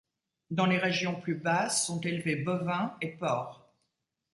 Dans les régions plus basses sont élevés bovins et porcs.